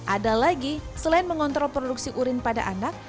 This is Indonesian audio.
ada lagi selain mengontrol produksi urin pada anak